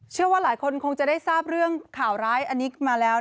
เชื่อว่าหลายคนคงจะได้ทราบเรื่องข่าวร้ายอันนี้มาแล้ว